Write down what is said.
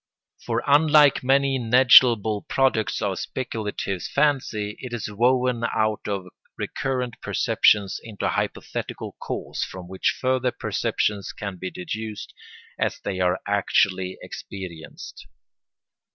For unlike many negligible products of speculative fancy it is woven out of recurrent perceptions into a hypothetical cause from which further perceptions can be deduced as they are actually experienced.